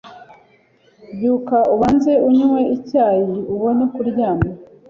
Byuka ubanze unywe icyayi ubone kuryama